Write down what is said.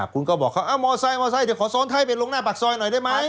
คุณก็บอกเขามอไซค์เดี๋ยวขอซ้อนท้ายไปลงหน้าปากซอยหน่อยได้ไหม